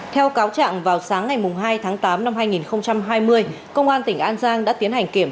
theo cáo trạng vào sáng ngày hai tháng tám năm hai nghìn hai mươi công an tỉnh an giang đã tiến hành kiểm